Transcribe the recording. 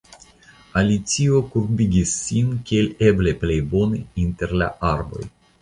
Alicio kurbigis sin kiel eble plej bone inter la arboj.